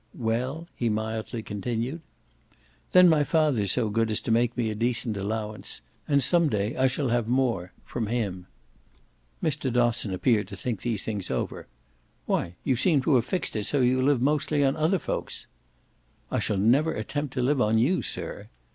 "Well?" he mildly continued. "Then my father's so good as to make me a decent allowance; and some day I shall have more from him." Mr. Dosson appeared to think these things over. "Why, you seem to have fixed it so you live mostly on other folks." "I shall never attempt to live on you, sir!"